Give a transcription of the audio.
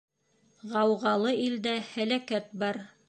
Ғауғалы илдә һәләкәт бар.